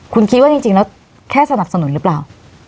คุณคิดว่าจริงแล้วแค่สนับสนุนหรือเปล่า